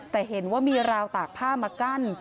แต่เห็นว่ามีราวตากผ้ามากั้น